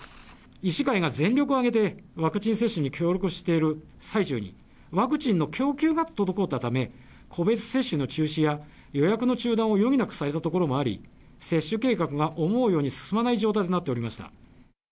医師会が全力を挙げてワクチン接種に協力している最中に、ワクチンの供給が滞ったため、個別接種の中止や予約の中断を余儀なくされた所もあり、接種計画が思うように進まない状態となっておりました。